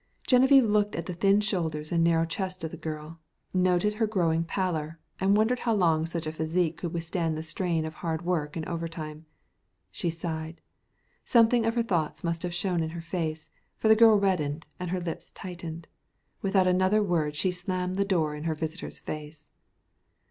Geneviève looked at the thin shoulders and narrow chest of the girl, noted her growing pallor and wondered how long such a physique could withstand the strain of hard work and overtime. She sighed. Something of her thoughts must have shown in her face, for the girl reddened and her lips tightened. Without another word she slammed the door in her visitor's face.